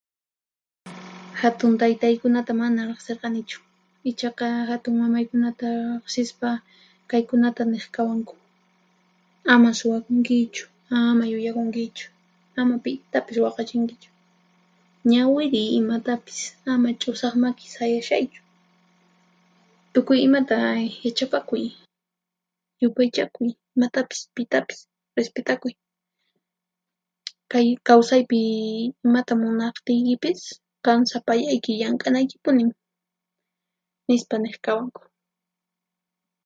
Hatuntaytaykunata mana riqsirqanichu, ichaqa hatunmamaykunata riqsispa kaykunata niqkawanku: Ama suwakunkichu, ama llullakunkichu, ama pitapis waqachinkichu. Ñawiriy imatapis, ama ch'usaq maki sayashaychu. Tukuy imata yachapakuy; yupaychakuy imatapis pitapis, rispitakuy. Kay kawsaypi imata munaqtiykipis qan sapallayki llank'anaykipunin, nispa niqkawanku.